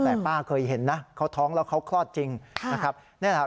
แต่ป้าเคยเห็นนะเขาท้องแล้วเขาคลอดจริงนะครับ